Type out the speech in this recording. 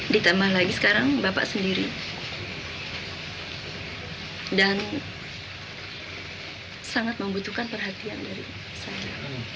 ditambah lagi sekarang bapak sendiri dan sangat membutuhkan perhatian dari saya